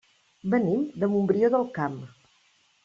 Venim de Montbrió del Camp.